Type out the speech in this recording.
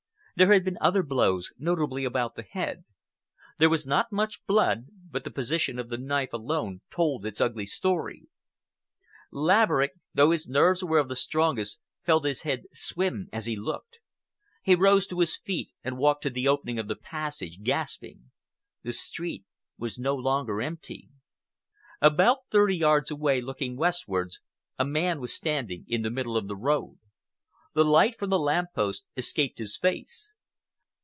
There had been other blows, notably about the head. There was not much blood, but the position of the knife alone told its ugly story. Laverick, though his nerves were of the strongest, felt his head swim as he looked. He rose to his feet and walked to the opening of the passage, gasping. The street was no longer empty. About thirty yards away, looking westwards, a man was standing in the middle of the road. The light from the lamp post escaped his face.